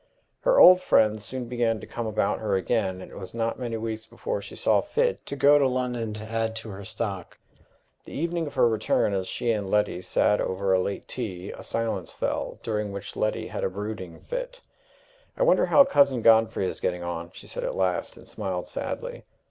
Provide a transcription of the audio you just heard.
Her old friends soon began to come about her again, and it was not many weeks before she saw fit to go to London to add to her stock. The evening of her return, as she and Letty sat over a late tea, a silence fell, during which Letty had a brooding fit. "I wonder how Cousin Godfrey is getting on?" she said at last, and smiled sadly.